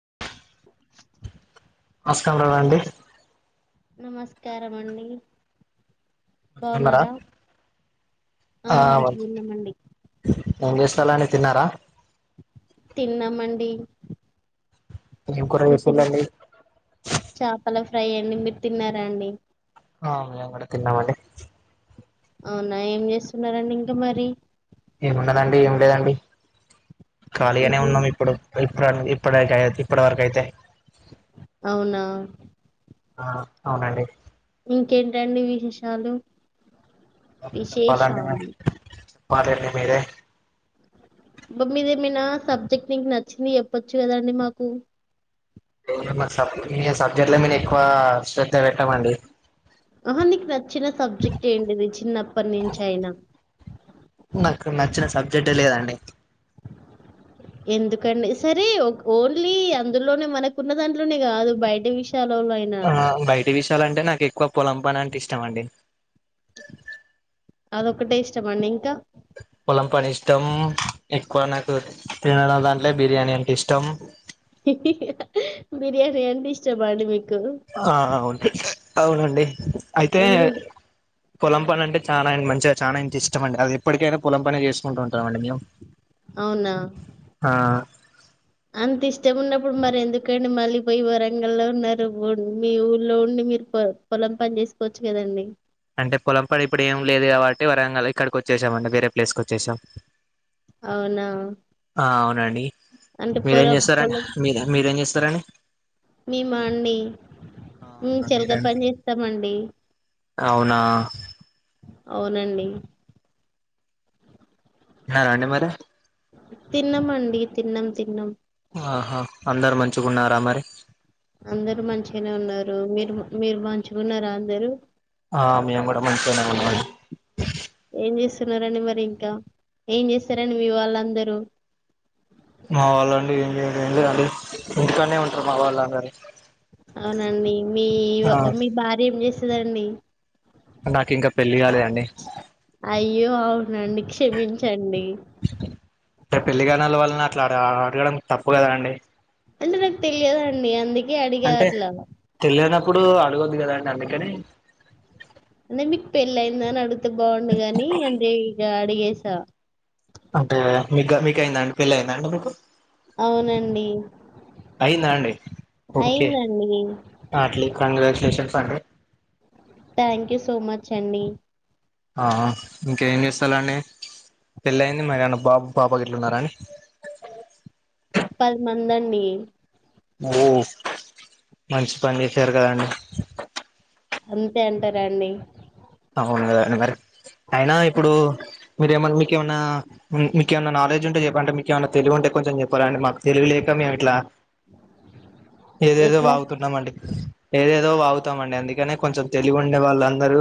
గా నమస్కారం అండి నమస్కారమండి ఉన్నారా బాగున్నారా ఆ మంచిగున్నమండి ఏం చేస్థలండి తిన్నారా తిన్నామండి ఏం కూర మీర్ తిన్ చేసిళ్ళండి చపల ఫ్రై అండి మీరు తిన్నారా అండి ఆ మీంగూడ తిన్నామండి అవునా ఏం చేస్తున్నారండి ఇంకా మరి ఉంన్నదండి ఏం లేదండి ఖాళీగనే ఉహు ఉన్నాం ఇప్పుడు ఇప్పుడండి ఇప్పుడే టై ఇప్పడివరకైతే అవునా ఆ అవునండి ఇంకేంటండి విశేషాలు ఓ చెప్పాలండి విశేషాలు మరి చెప్పాలే మీరే బా మీరేమైనా సబ్జెక్ట్ నికు నచ్చింది చెప్పొచ్చు కదండి మాకు [unintelligible] మీ సబ్జెక్టల మీనా ఎక్కువ శ్రధ పెట్టామండి ఆహా నీకు నచ్చిన సబ్జెక్ట్ ఏంటిది చిన్నప్పటి నుంచి అయినా నాకు నచ్చిన సబ్జెక్ట్ఎ లేదండి ఎందుకండి సరే ఓన్లీ అందులోనే మనకున్న దాంట్లోనే కాదు బయట విష్ ఆ బయట విషాలంటే నాకు ఎక్కువ పొలం పని అంటే ఇష్టమండి అదొక్కటే ఇష్టమఅండి ఇంకా పొలం పని ఇష్టం ఎక్కువ నాకు తినడం దాంట్లే బిర్యానీ అంటే ఇష్టం బిర్యాని అంటే ఇష్టమా అండి మీ ఆ అవును అవునండి అయితే మీ పొలం పని అంటే చానా మంచిగా చానా ఇంకిష్టం అండి అది ఎప్పడికైనా పొలం పనే చేసుకుంటమండి కుంటామండి మేము అవునా! ఆ అంత ఇష్టం ఉన్నప్పుడు మరి ఎందుకండి మళ్ళీ పోయి వరంగల్ లో ఉన్నారు మీ ఊళ్లో ఉండి మీర్ పొ పొలం పని చేసుకోవచ్చు కదండి అంటే పొలం పని ఇప్పుడు ఏం లేదు కాబట్టి వరంగల్ ఇక్కడికి వచ్చేసామండి వేరే ప్లేస్కి వచ్చేసాం అవునా! ఆ అవునండి అంటే మీరేం పొరం చేస్తారండి పొలం మీరు మీరేంచేస్తారండి మేమా అండి మేం ఆ చేలక మీరండి. పని చేస్తామండీ అవునా అవునండి తిన్నారాఅండి మరి తిన్నమండి తిన్నం తిన్నం ఆహా అందరు మంచిగున్నారా మరి అందరు మంచిగానే ఉన్నారు మీరు మీరు మంచిగా ఉన్నార అందరు ఆ మేము కూడా మంచిగనే ఉన్నాం ఏం చేస్తున్నారండి మరి ఇంకా ఏం చేస్తారండి మీ వాళ్ళందరూ మా వాళ్ళు అండి ఏంజేయలేదండి ఇంట్లోనే ఉంటరు మా వాళ్ళు అందరు అవునండి మీ మీ భార్య ఏం చేస్తదండి నాకు ఇంకా పెళ్లి కాలేదండి అయ్యో అవునండి క్షమించండి ఇంక పెళ్లి కానీ వాళ్ళని అట్లా అడగడం తప్పు కదా అండి అంటే నాకు తెలియదండి అందుకే అడిగా అంటే అట్లా. తెలియనప్పుడు అడగద్దు కదా అండి అందుకని అదే మీకు పెళ్ళి అయింద అని అడిగితే బాగుండుగాని అదే ఇక అడిగేసా అంటే మీకు మీకయిందాండి పెళ్ల అయిందాండి మీకు అవునండి. అయిందా అండి ఓకే అయిందండి. కంగ్రాచ్యులేషన్స్ అండి థ్యాంక్ యూ సో మచ్ అండి ఆ ఇంకేం చేస్తారు అండి పెళ్లయింది మరి ఏమన్నా బాబు పాప గిట్లా ఉన్నారా అండి పది మంది అండి అబ్బో మంచి పని చేసారు కదండి అంతే అంటారా అండి అవును కదా అండి మరి అయినా ఇప్పుడు మీరేమైన్నా మీకు ఏమన్నా మీకు ఏమన్నా నాలెడ్జ్ ఉంటే చెప్పండి అంటే మీకు ఏమన్నా తెలివి ఉంటే కొంచెం చెప్పరా అండి మాకు తెలివి లేక మేం ఇట్లా ఏదేదో ఎట్లా? వాగుతున్నామండి ఏదేదో వాగుతామండి అందుకనే కొంచెం తెలివి ఉండే వాళ్ళందరూ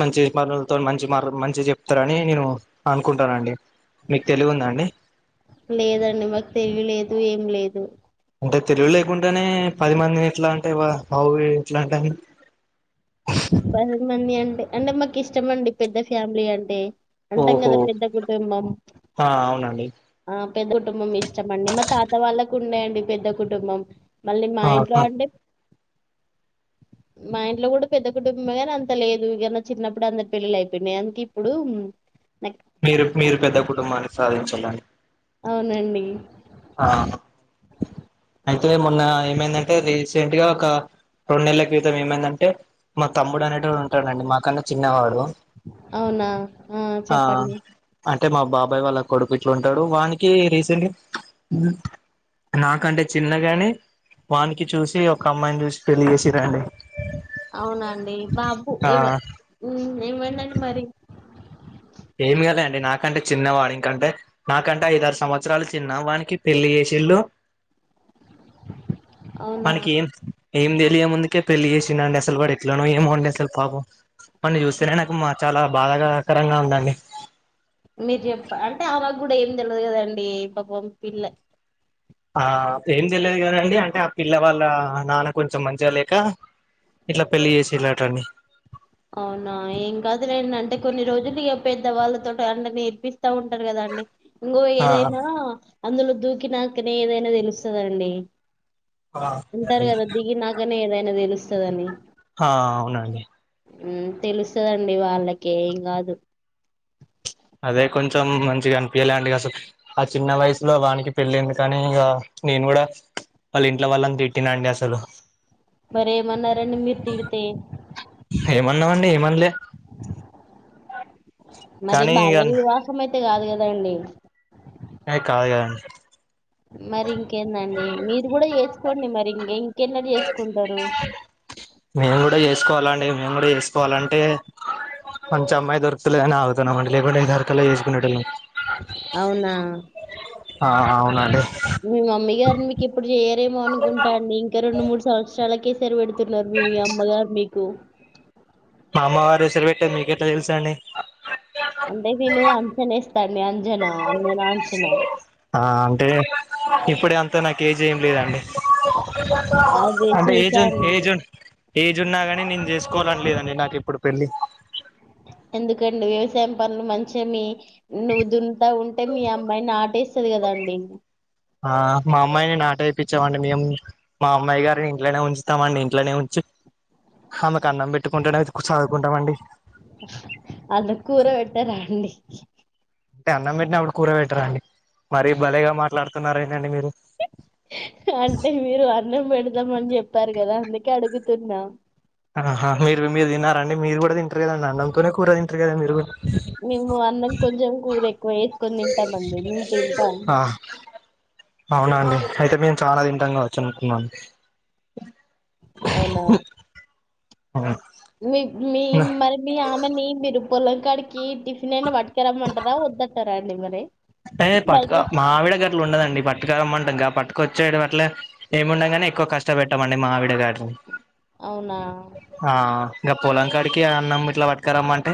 మంచి మాటలతో మంచి మ మంచి చెప్తారని నేను అనుకుంటానండి మీకు తెలివి ఉందా అండి లేదండి. మాకు తెలియలేదు. ఏం లేదు అంటే తెలివి లేకుంటేనే పది మందిని ఎట్లా అంటే హౌ ఎట్లా అంటా పది మంది అంటే అంటే మాకు ఇష్టమండి పెద్ద ఫ్యామిలీ అంటే అంటాం ఓహో కదా పెద్ద కుటుంబం ఆ అవునండి ఆ పెద్ద కుటుంబం ఇష్టమండి మా తాత వాళ్ళకు ఉన్నాయండి పెద్ద కుటుంబం మళ్ళీ మా ఇంట్లో ఆహా అంటే మా ఇంట్లో కూడా పెద్ద కుటుంబమే గాని అంత లేదు ఇక చిన్నప్పుడు అందరు పెళ్ళిళ్లు అయిపోయినాయి అందుకు ఇప్పుడు మీరు మీరు పెద్ద కుటుంబాన్ని సాధించాలండి అవునండి ఆ అయితే మొన్న ఏమైందంటే రీసెంట్గా ఒక రెండు నెలల క్రితం ఏమైందంటే మా తమ్ముడు అనేటోడు ఉంటాడండి మాకన్నా చిన్నవాడు అవునా ఆ చెప్పండి అంటే మా బాబాయ్ వాళ్ళ కొడుకు ఇట్లు ఉంటాడు వానికి రీసెంట్గ నాకంటే చిన్నగాని వానికి చూసి ఒక అమ్మాయిని చూసి [unintelligible] అవునండి బాబు ఆ ఇవ ఇవడిండి మరి ఏమి కదండి నాకంటే చిన్నవాడు ఇంకంటే నాకంటే ఐదారు సంవత్సరాలు చిన్న వానికి పెళ్ళి చే అవునా [unintelligible] [unintelligible] ముందుకే పెళ్లి చేసిండు అండి అసలు ఎట్లనో ఏమో అండి అసలు పాపం వన్ని చూస్తేనే నాకు మా చాలా బాధాకరంగా వుందండి మీరు చెప్ప అంటే అమెకు కూడ ఏం తెలవదు కదండి పాపం పిల్ల ఆ ఏం తెలియదు కదండి అంటే ఆ పిల్ల వాళ్ళ నాన్న కొంచెం మంచిగా లేక ఇట్ల పెళ్లి చేసిర్రు అంట అండి అవునా ఏం కాదులేండి అంటే కొన్ని రోజులు ఇగ పెద్దవాళ్ళతో అండ నేర్పిస్ వస్తా ఉంటారు కదాండి ఇంగో ఆ ఏదైనా అందులో దూకి నాకనే ఏదైనా తెలుస్తదండి అంటారు ఆ కదా దిగి నాకనే ఏదైనా తెలుస్తది అని హ అవునండీ తెలుస్తదండి వాళ్ళకి ఏం కాదు అదే కొంచెం మంచిగా అనిపియలేదు అండి అసలు ఆ చిన్న వయసులో వానికి పెళ్ళి ఎందుకు అని ఇగ నేను కూడా వాళ్ళ ఇంట్లో వాళ్ళని తిట్టిన అండి అసలు మరి ఏమ్మనారు అండి తిడితే [unintelligible] ఏమన్లే మరి బాల్య వివాహం అయితే కాదు కదండీ ఏ కాదు కద మరి ఇంకేందండి మీరు కూడ చేసుకోండి మరి ఇంకేం నేను కూడ చేసుకోవాల అంటే నేను కూడ చేసుకోవాలంటే మంచి అమ్మాయి దొరుకుతలే అని ఆగుతున్నామండి లేకుండా దొరకలే చేసుకునే వాళ్ళం అవునా ఆ అవునండి ఏమో అనుకుంటా అండి ఇంకా రెండు మూడు సంవత్సరాలకే సరి పెడుతున్నారు మీ అమ్మగారు మీకు మా అమ్మగారు [unintelligible] పెట్టారు మీకెట్లా తెలుసండి అంటే నేను అంచన ఎస్తండి అంజనా అంజనా అంచన ఆ అంటే ఇప్పుడే అంతేన కేజీ ఏం లేద అండి అది అంటే ఏ చూసా జూన్ ఏ అండి. జూన్ ఏజ్ ఉన్నా గానీ నేను చేసుకోవాలని లేదండి నాకు ఇప్పుడు పెళ్లి ఎందుకండి వ్యవసాయం పనులు మంచిగ మీ నువ్వు దునుత ఉంటే మీ అమ్మాయి నాటేస్తది కదండి ఆ మా అమ్మాయిని నాట ఏపించమండి మేము మా అమ్మాయి గారిని ఇంట్లోనే ఉంచుతము అండి ఇంట్లోనే ఉంచి ఆమెకు అన్నం పెట్టుకుంటునే అయితే చదువుకుంటాం అండి అంటే కూర పెట్టరాండి అంటే అన్నం పెట్టినప్పుడు కూరబెట్టరా అండి మరి భలేగా మాట్లాడుతున్నారండి మీరు అంటే మీరు అన్నం పెడతాం అని చెప్పారు కద అందుకే అడుగుతున్నా ఆహా మీరు మీరు తిన్నారండి మీరు కూడ తింటారు కదండి అన్నంతోనే కూర తింటరు కదా మీరు కూడ మేము అన్నం కొంచెం కూరె వేసుకొని తింటామండి మేము తింటాం ఆ అవునా అండి అయితే మేము చాలా తింటంగా వచ్చు అనుకున్నాను అవునా మీ మీ మరి మీ ఆమెని మీరు పొలంకాడికి టిఫిన్ అయినా పట్టుక రమ్మంటరా వద్దంటారా అండి మరి ఏ పట్టు బైక్ మా గావిడ గట్లు ఉండదండి పట్టుక రామ్మంటె గ పట్టుకొచ్చ చేయడం అట్ల ఏముండగానే ఎక్కువ కష్టపెట్టామండి మా ఆవిడ గారిని అవునా ఆ ఇంకా పొలంకాడికి అన్నం ఇట్ల పట్కారమ్మ అంటే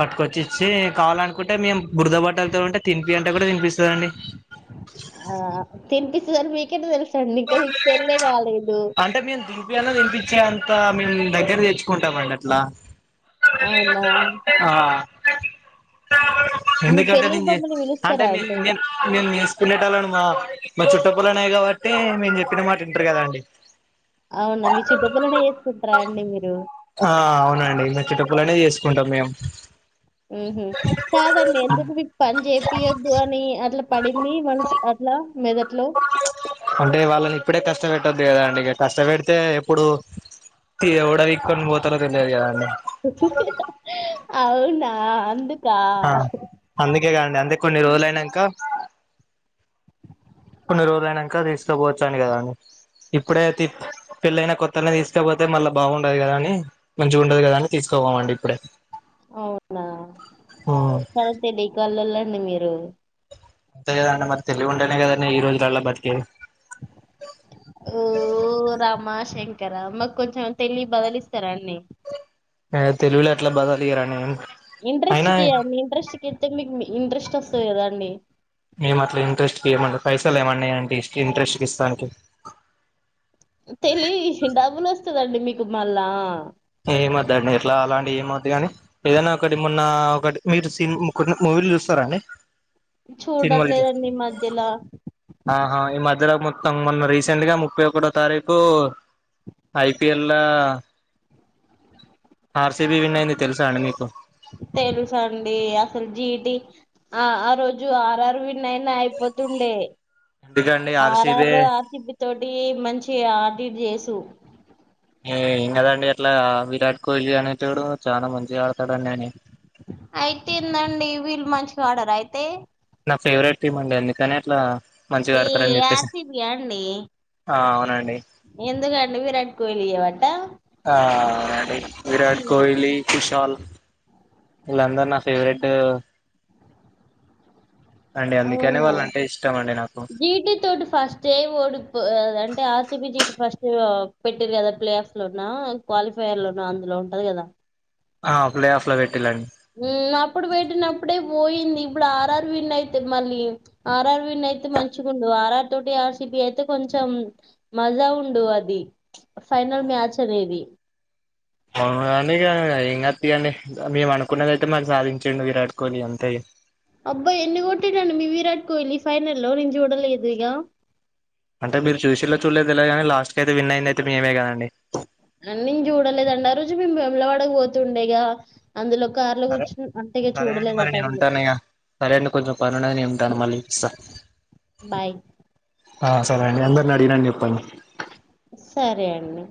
పట్టుకొచ్చి ఇచ్చి కావాలనుకుంటే మేము బురదబట్టలతో ఉంటే తినిపి అంటే కూడ తనిపిస్ ఆ తిన్పిస్తది అని మీకెట్ట తెల్స్ తిన్పిస్తదండి ఇంక పెళ్లె కాలేదు పపించే అంతా మేమ్ దగ్గర తెచ్చుకుంటామండి అట్లా అవునా ఆ మీ ఎందుకంటే పెళ్ళికి నేను మమ్మల్ని చె అంటే పిలుస్తారా మీ అండి పనేేటళ్ని మా మా చుట్టపుల్లనే కాబట్టి మేము చెప్పిన మాట వింటరు కదా అండి అవునా మీరు చుట్బలనే చేసుకుంటారా అండి మీరు ఆ అవునండి మె చుట్టప్పుల్లనె చేసుకుంటాం మేము ఉహు కాదండి ఎందుకు మీకు పని చేపియద్దు అట్లా పడింది మనసు అట్ల మెదట్లో అంటే వాళ్ళని ఇప్పుడే కష్టపెట్టొద్దు కదా అండి ఇ కష్టపెడితే ఎప్పుడు ఇక ఊడబిక్కోని పోలార్ కదండి అవునా అందు ఆ అందుకే కాండి అంతే కొన్ని రోజులైనాంక కొన్ని రోజులయినాక తీసుకోపోతాన్ కదా అని ఇప్పుడే పెళ్ళయినా కొత్తని తీసుకపోతే మళ్ళ బాగుండదు కదా అని మంచిగా ఉండదు కదా అని తీసుకు కుపోమండి ఇప్పుడె అవునా చాలా తెలివి కాళ్ళలండి మీరు అంతే కదండి మరి తెలివి ఉంటేనే కదండీ ఈ రోజులలా బతికే ఓ రామా శంకర మాకు కొంచెం తెలివి బదిలిస్తారా అన్నీ తెలివిలో ఎట్ల బదలిరా న ఇంట్రెస్ట్ కి మండి ఇంట్రెస్ట్ క ఇస్తతే మీకు ఇంట్రెస్ట్ వస్తుంది కదా అండి మేము అట్ల ఇంట్రెస్ట్ కి ఈ మండి పైసలు ఏమన్నాయింటే ఇంట్రెస్ట్ కి ఇస్తానికి తెలివి డబుల్ వస్తదండి మీకు మళ్ళా ఏ వద్దండి ఇట్లా అలాంటి ఏమ వద్దు కాని ఏదైనా ఒకటి మొన్న ఒకటి మీరు సీన్ మూవీ చూస్తారండి సినిమాలకి చూడట్లేదండి ఈ మధ్యలో అ హైదరాబాద్ మొత్తం మొన్న రీసెంట్ గా ముప్పై ఒకటో తారీఖు ఐపిఎల్ ఇల్లా ఆర్సిబి విన్న అైంది తెలుసా అండి మీకు తెలుస అండి అసలు జీటి ఆ ఆ రోజు ఆరు ఆరు వి నైన్ అయిపోతుండే ఎందుకండి ఆర్సిబి ఆర్ఆర్ ఆసిబి తోటి మంచి ఆటిట్ చేసు ఏ ఏం కదండి అట్లా విరాట్ కోహ్లీ అనేటోడు చాలా మంచి అయితేందండి వీళ్ళు మంచిగ ఆడర అయితే నా ఫేవరెట్ టీమ్ అండి అందుకని అట్లా మంచిగా ఏ ఆడతారని చెప్పేసి ఆసిబియా అండి ఆ అవునండి ఎందుకండి విరాట్ కోహ్లీయవాట ఆ అ విరాట్ కోహ్లీ విషల్ ఇలంధర్ నా ఫేవరెట్ అండి అందుకనే వాళ్ళ అంటే ఇష్టం అం జీటి తోటి ఫస్ట్ ఏ ఓడు అంటే ఆర్ సిబి జీటు ఫస్ట్ పెట్టిరు కదా ప్లే ఆఫ్ లోన్నా క్వాలిఫయర్ లోన్నా అందులో ఉంటది కదా ఆ ప్లే ఆఫ్ లో పెట్ అప్పుడు పెట్టిన అప్పుడే పోయి ఇప్పుడు ఆర్ఆర్ విన్ అయితే మళ్ళీ ఆర్ఆర్ విన్ అయితే మంచిగ ఉండు ఆర్ ఆర్ తోటి ఆర్సిబి అయితే కొ కొంచెం మజా ఉండు అది ఫైనల్ మ్యాచ్ అనేది అవును గాని ఇంగా తీయండి మేము అనుకున్నది అయితే మరి సాధించుండు విరాట్ కోహ్లీ అంతే అబ్బా ఎన్ని కొట్టేండు మీ విరాట్ కోహ్లీ ఫైనల్లో నేను చూడలేదు ఇగా అంటే మీరు చూసిల్లో చూడలేదులే కాని లాస్ట్ కయితే విన్ అయింది అయితే మేమే కదండి అన్ని చూడలేదన్నారు ఆ రోజు మేము బ్రమ్లలో పడక పోతుండేగా అందులో కారులో సరే కూర్చు అంతేగా సరే అండి చూడలేదు ఆ మరి నేను టైంలో ఉంటానయ్యా సరే అండి కొంచెం పరున మళ్ళీ ఇస్తా బాయ్ సరే అండి అందరని అడిగినానని చెప్ ప సరే అండి